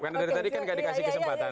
karena dari tadi kan gak dikasih kesempatan